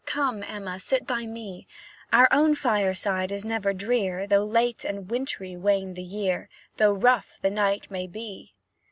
Come, Emma, sit by me; Our own fireside is never drear, Though late and wintry wane the year, Though rough the night may be."